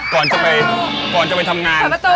ก่อนจะไปทำงาน